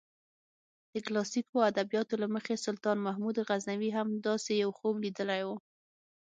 د کلاسیکو ادبیاتو له مخې سلطان محمود غزنوي هم داسې یو خوب لیدلی و.